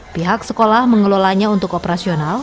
pihak sekolah mengelolanya untuk operasional